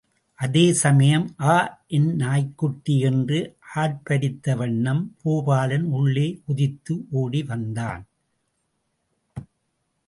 அதே சமயம், ஆ என் நாய்க்குட்டி என்று ஆர்ப்பரித்த வண்ணம் பூபாலன் உள்ளே குதித்து ஓடி வந்தான்.